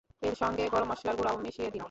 এর সঙ্গে গরম মসলার গুঁড়াও মিশিয়ে দিন।